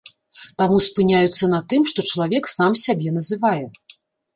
Таму спыняюцца на тым, што чалавек сам сябе называе.